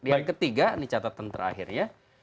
yang ketiga ini catatan terakhirnya